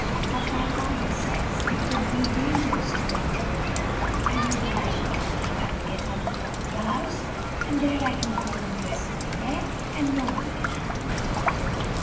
But my father says it would be dangerous to venture abroad. I know what I will do. I will get on the top of the house, and there I can comb and dress my hair, and no one can harm me."